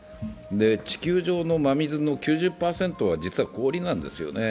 地球上の真水の９０％以上は実は氷なんですよね。